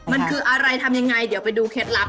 มันคืออะไรทำยังไงเดี๋ยวไปดูเคล็ดลับ